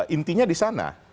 intinya di sana